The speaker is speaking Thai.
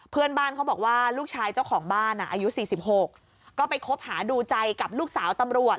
เพื่อนบ้านเขาบอกว่าลูกชายเจ้าของบ้านอายุ๔๖ก็ไปคบหาดูใจกับลูกสาวตำรวจ